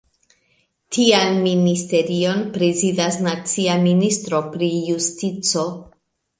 Tian ministerion prezidas nacia ministro pri justico.